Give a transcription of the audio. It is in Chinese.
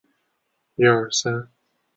福建邵武人。